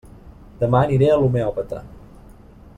Demà aniré a l'homeòpata.